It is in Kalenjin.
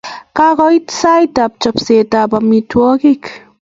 Kakoit sait ap chopset ap amitwogik.